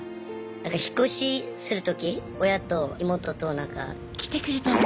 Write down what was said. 引っ越しする時親と妹となんか。来てくれたの？